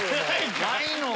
ないのか！